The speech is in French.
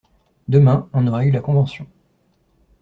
Demain, on aurait eu la Convention.